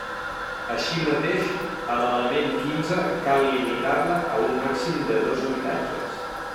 Així mateix, a l'element quinze cal limitar-la a un màxim de dos habitatges.